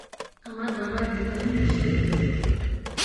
আমার বাবা গৃহহীন, ঈশ্বরের জন্য।